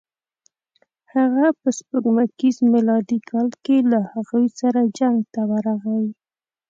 هغه په سپوږمیز میلادي کال کې له هغوی سره جنګ ته ورغی.